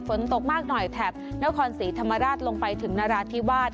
ฝนตกมากหน่อยแถบนครศรีธรรมราชลงไปถึงนราธิวาส